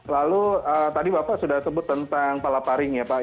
lalu tadi bapak sudah sebut tentang palaparing ya pak